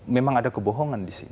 memang ada kebohongan di sini